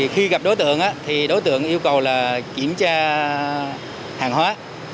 khi gặp đối tượng thì đối tượng yêu cầu là kiểm tra hàng hóa